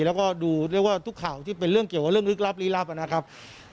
แล้วก็ดูเรียกว่าทุกข่าวที่เป็นเรื่องเกี่ยวกับเรื่องลึกลับลี้ลับนะครับ